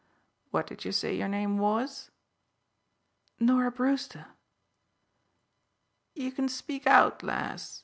What did you say your name was?" "Norah Brewster." "You can speak out, lass.